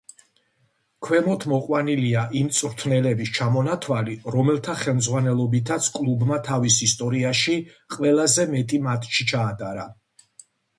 ქვემოთ მოყვანილია იმ მწვრთნელების ჩამონათვალი, რომელთა ხელმძღვანელობითაც კლუბმა თავის ისტორიაში ყველაზე მეტი მატჩი ჩაატარა.